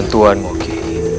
untuk membantu mogi